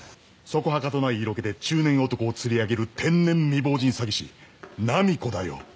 そこはかとない色気で中年男を釣り上げる天然未亡人詐欺師波子だよ。